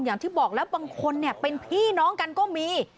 อย่างที่บอกแล้วบางคนเป็นพี่น้องกันก็มี